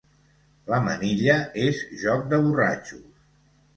La manilla és joc de borratxos.